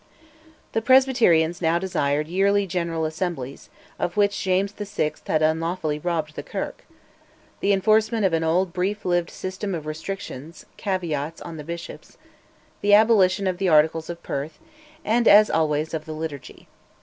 The Presbyterians now desired yearly General Assemblies (of which James VI. had unlawfully robbed the Kirk); the enforcement of an old brief lived system of restrictions (caveats) on the bishops; the abolition of the Articles of Perth; and, as always, of the Liturgy.